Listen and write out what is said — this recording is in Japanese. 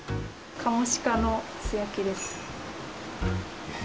カモシカの素焼きです。